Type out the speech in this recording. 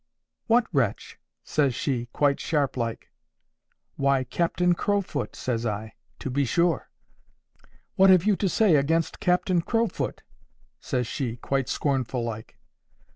—"What wretch?" says she, quite sharp like. "Why, Captain Crowfoot," says I, "to be sure."—"What have you to say against Captain Crowfoot?" says she, quite scornful like.